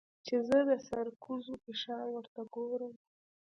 چې زه د سرکوزو په شان ورته گورم.